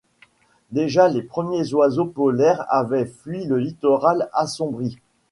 Déjà les derniers oiseaux polaires avaient fui le littoral assombri.